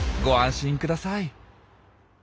ご安心ください。